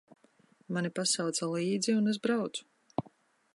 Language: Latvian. Mani pasauca līdzi, un es braucu.